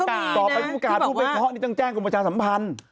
กรมประชาสัมพันธ์มันต้องแจ้งกรมประชาสัมพันธ์